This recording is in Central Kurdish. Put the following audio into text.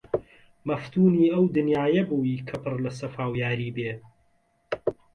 مەفتونی ئەو دنیایە بووی کە پڕ لە سەفا و یاری بێ!